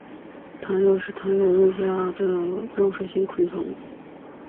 螳䗛是螳䗛目下的肉食性昆虫。